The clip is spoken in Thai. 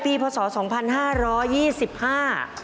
นี่นะครับในปีพศ๒๕๒๕